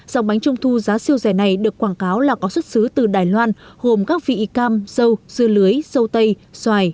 dòng bánh trung thu giá siêu rẻ này được quảng cáo là có xuất xứ từ đài loan gồm các vị cam dâu dưa lưới dâu tây xoài